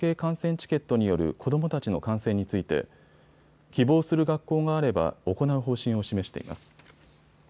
チケットによる子どもたちの観戦について希望する学校があれば行う方針を示しています。